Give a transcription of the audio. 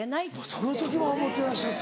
その時もう思ってらっしゃった。